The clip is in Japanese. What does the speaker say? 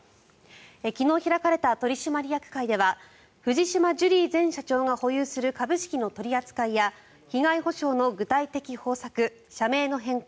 昨日、開かれた取締役会では藤島ジュリー前社長が保有する株式の取り扱いや被害補償の具体的方策社名の変更